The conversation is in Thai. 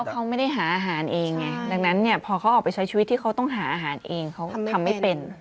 เขาไม่ได้หาอาหารเองไงดังนั้นเนี่ยพอเขาออกไปใช้ชีวิตที่เขาต้องหาอาหารเองเขาทำไม่เป็น